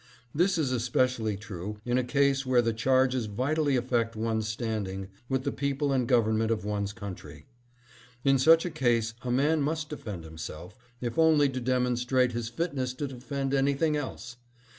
This is especially true in a case where the charges vitally affect one's standing with the people and government of one's country. In such a case a man must defend himself, if only to demonstrate his fitness to defend anything else.